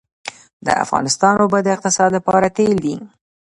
د افغانستان اوبه د اقتصاد لپاره تیل دي